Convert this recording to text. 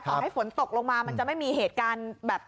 ให้ฝนตกลงมามันจะไม่มีเหตุการณ์แบบ